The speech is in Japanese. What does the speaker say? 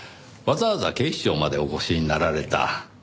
わざわざ警視庁までお越しになられた。